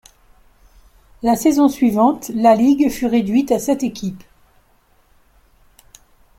La saison suivante, la ligue fut réduite à sept équipes.